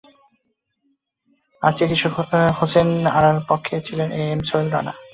আর চিকিৎসক হোসনে আরার পক্ষে ছিলেন A K M Sohel Rana.